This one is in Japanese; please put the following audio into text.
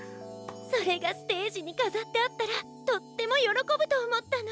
それがステージにかざってあったらとってもよろこぶとおもったの。